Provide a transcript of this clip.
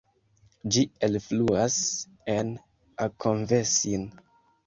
Ĝi elfluas en Akonvesin.